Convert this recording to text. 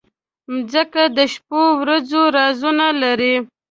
مځکه د شپو ورځو رازونه لري.